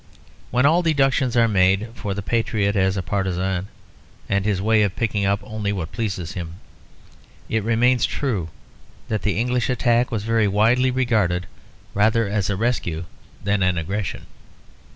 When all deductions are made for the patriot as a partisan, and his way of picking up only what pleases him, it remains true that the English attack was very widely regarded rather as a rescue than an aggression.